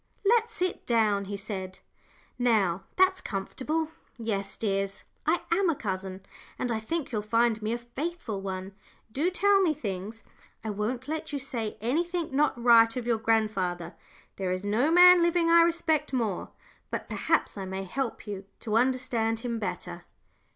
"Let's sit down," he said. "Now, that's comfortable. Yes, dears, I am a cousin, and I think you'll find me a faithful one. Do tell me 'things.' I won't let you say anything not right of your grandfather; there is no man living I respect more. But perhaps I may help you to understand him better."